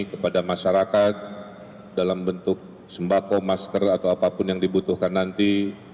kepada masyarakat dalam bentuk sembako masker atau apapun yang dibutuhkan nanti